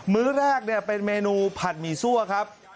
ื้อแรกเป็นเมนูผัดหมี่ซั่วครับ